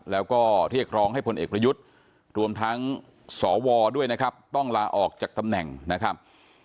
แล้วก็เรียกร้องให้พลเอกประยุทธ์รวมทั้งสวด้วยนะครับต้องลาออกจากตำแหน่งนะครับ